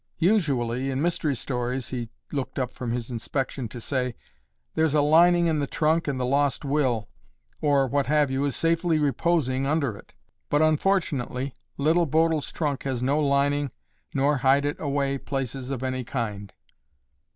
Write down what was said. "Usually in mystery stories," he looked up from his inspection to say, "there's a lining in the trunk and the lost will, or, what have you, is safely reposing under it, but unfortunately Little Bodil's trunk has no lining nor hide it away places of any kind."